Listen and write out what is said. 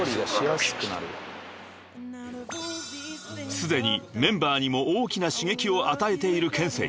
［すでにメンバーにも大きな刺激を与えているＫＥＮＳＥＩ］